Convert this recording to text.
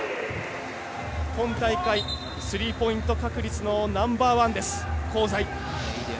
今大会、スリーポイント確率のナンバーワンです、香西。